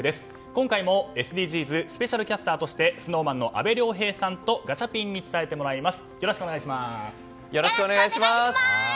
今回も、ＳＤＧｓスペシャルキャスターとしてＳｎｏｗＭａｎの阿部亮平さんとガチャピンに伝えてもらいます。